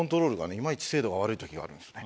いまいち精度が悪い時があるんですよね。